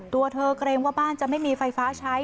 ตัวเธอเกรงว่าบ้านจะไม่มีไฟฟ้าใช้